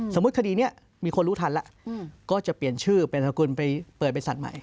สมมุติคดีเนี่ยมีคนรู้ทันล่ะก็จะเปลี่ยนชื่อเปลี่ยนอันสกุลไปเปิดเป็นสัตว์ใหม่